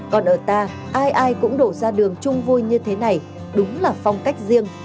còn ở ta ai ai cũng đổ ra đường chung vui như thế này đúng là phong cách riêng